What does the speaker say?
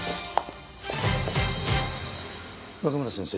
若村先生。